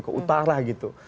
ke utara gitu